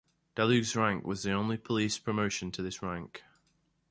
Daluege's rank was the only police promotion to this rank.